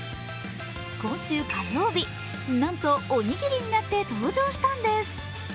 今週火曜日、なんとおにぎりになって登場したんです。